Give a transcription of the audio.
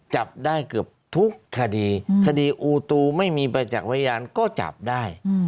จับได้เกือบทุกคดีคดีอูตูไม่มีประจักษ์พยานก็จับได้